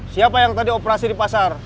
siapa yang tadi operasi di pasar